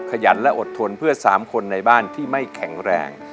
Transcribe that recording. ขยันและอดทนเพื่อ๓คนในบ้านที่ไม่แข็งแรง